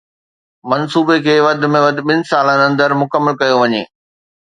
منصوبي کي وڌ ۾ وڌ ٻن سالن اندر مڪمل ڪيو وڃي.